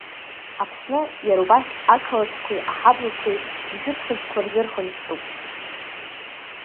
Аԥсны иара убас ақалақьқәеи аҳаблақәеи ржәытә хьыӡқәа рзырхынҳәтәуп.